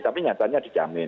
tapi nyatanya dijamin